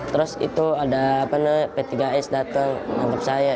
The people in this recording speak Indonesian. terus itu ada p tiga s datang menangkap saya